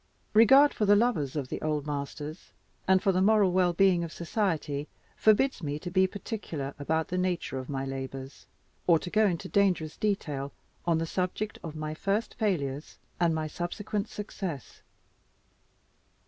Regard for the lovers of the Old Masters, and for the moral well being of society, forbids me to be particular about the nature of my labors, or to go into dangerous detail on the subject of my first failures and my subsequent success.